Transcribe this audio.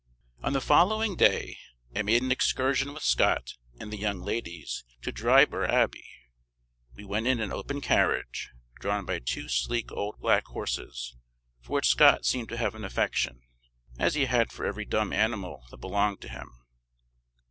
On the following day I made an excursion with Scott and the young ladies to Dryburgh Abbey. We went in an open carriage, drawn by two sleek old black horses, for which Scott seemed to have an affection, as he had for every dumb animal that belonged to him.